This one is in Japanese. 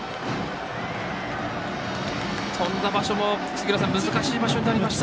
飛んだ場所も難しい場所になりました。